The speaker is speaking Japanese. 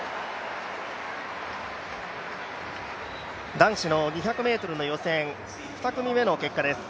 男子の２００ｍの予選、２組目の結果です。